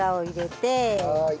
はい。